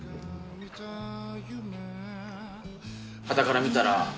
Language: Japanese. はたから見たら。